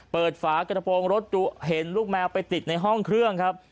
ฝากระโปรงรถดูเห็นลูกแมวไปติดในห้องเครื่องครับ